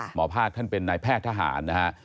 หมอภาคท่านเป็นนายแพทย์ทหารนะฮะ